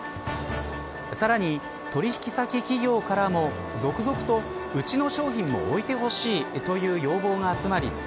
さらに、取引先企業からも続々とうちの商品も置いてほしいという要望が集まり